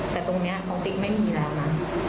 แต่ตรงนี้เขาติ๊กไม่มีแล้วนะ